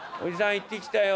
行ってきた」。